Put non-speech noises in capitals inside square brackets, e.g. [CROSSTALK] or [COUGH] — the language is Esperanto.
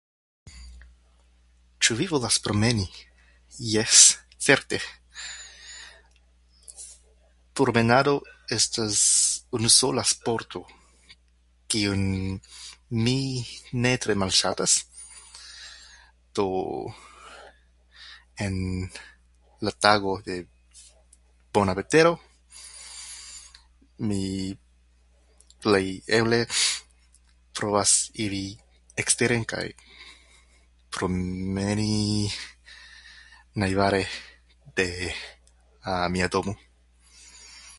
Ĉu vi volas promeni? Jes, certe. Promenado estas unusola sporto kiun mi ne tre malŝatas. Do, en la tago de bona vetero, mi plejeble provas iri eksteren kaj promeni najbare de [HESITATION] mia domo.